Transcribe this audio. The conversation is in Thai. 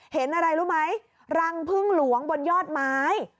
เห็นอะไรรู้ไหมรังพึ่งหลวงบนยอดไม้